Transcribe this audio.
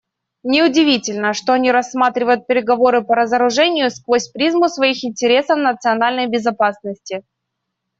Неудивительно, что они рассматривают переговоры по разоружению сквозь призму своих интересов национальной безопасности.